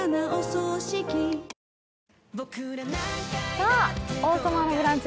さぁ、「王様のブランチ」